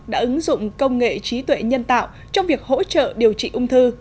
dùng công nghệ trí tuệ nhân tạo trong việc hỗ trợ điều trị ung thư